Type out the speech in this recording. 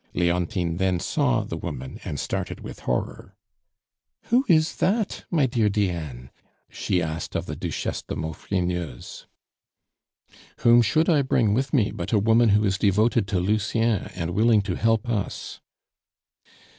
Leontine then saw the woman and started with horror. "Who is that, my dear Diane?" she asked of the Duchesse de Maufrigneuse. "Whom should I bring with me but a woman who is devoted to Lucien and willing to help us?"